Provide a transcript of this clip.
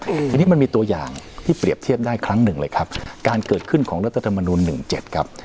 อันนี้มันมีตัวอย่างที่เปรียบเทียบได้ครั้งหนึ่งเลยครับการเกิดขึ้นของรัฐมนุน๑๗ครับ